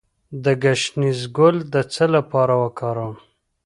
د ګشنیز ګل د څه لپاره وکاروم؟